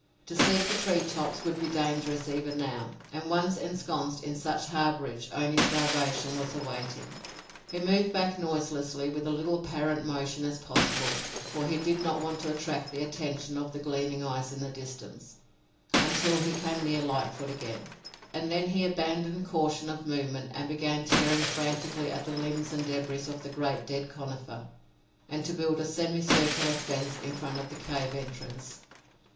To seek the tree tops would be dangerous even now, and once ensconced in such harborage, only starvation was awaiting. He moved back noiselessly, with as little apparent motion as possible, for he did not want to attract the attention of the gleaming eyes in the distance, until he came near Lightfoot again, and then he abandoned caution of movement and began tearing frantically at the limbs and débris of the great dead conifer, and to build a semicircular fence in front of the cave entrance.